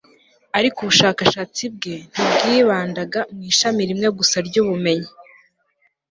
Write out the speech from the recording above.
ariko ubushakashatsi bwe ntibwibandaga mu ishami rimwe gusa ry'ubumenyi